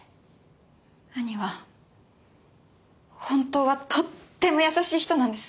兄は本当はとっても優しい人なんです。